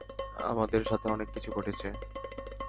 আমার সাথে অনেককিছু ঘটছে।